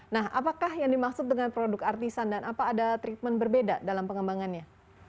nah apakah yang dimaksud dengan produk artisan dan apa ada treatment berbeda dalam pengembangannya